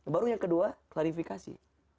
baru yang kedua klarifikasi